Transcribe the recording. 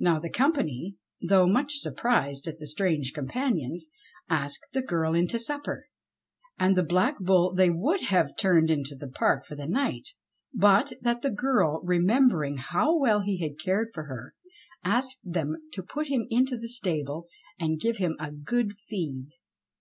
Now the company, though much sur prised at the strange companions, asked the girl in to supper ; and the Black Bull they would have turned into the park for the night, but that the girl, remembering how well he had cared for her, asked them to put him into the stable and give him a good feed.